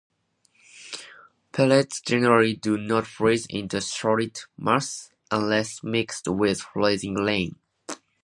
Pellets generally do not freeze into a solid mass unless mixed with freezing rain.